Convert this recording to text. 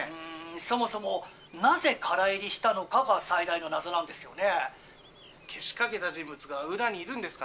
「そもそもなぜ唐入りしたのかが最大の謎なんですよね」。